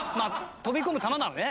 飛び込む球ならね。